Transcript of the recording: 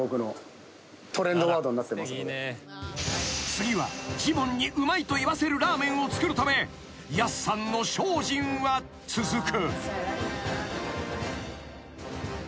［次はジモンにうまいと言わせるラーメンを作るためやすさんの精進は続く］